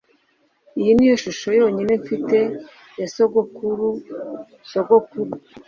Iyi niyo shusho yonyine mfite ya sogokurusogokuru